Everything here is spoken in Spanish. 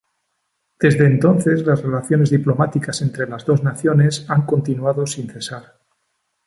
Desde entonces, las relaciones diplomáticas entre las dos naciones han continuado sin cesar.